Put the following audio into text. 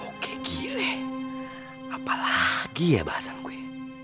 oke gile apalagi ya bahasan gue